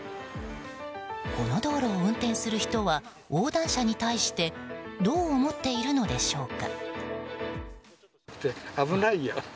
この道路を運転する人は横断者に対してどう思っているのでしょうか。